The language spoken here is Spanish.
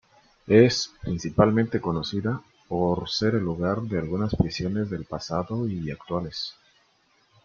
Es principalmente conocida por ser el lugar de algunas prisiones del pasado y actuales.